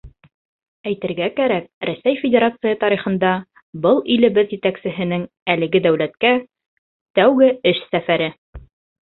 Әйтергә кәрәк, Рәсәй Федерацияһы тарихында был илебеҙ етәксеһенең әлеге дәүләткә тәүге эш сәфәре.